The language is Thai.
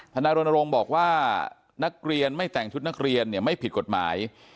นายรณรงค์บอกว่านักเรียนไม่แต่งชุดนักเรียนเนี่ยไม่ผิดกฎหมาย